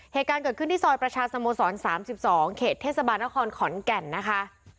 เหตุการณ์เกิดขึ้นที่ซอยประชาสโมสร๓๒เขตเทศบาลนครขอนแก่นนะคะ